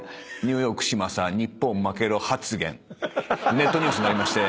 ネットニュースになりまして。